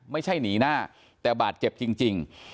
ไม่ใช่หนีหน้าแต่บาดเจ็บจริง